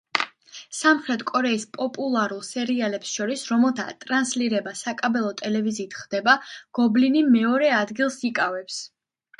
სამხრეთ კორეის პოპულარულ სერიალებს შორის, რომელთა ტრანსლირება საკაბელო ტელევიზიით ხდება, გობლინი მეორე ადგილს იკავებს.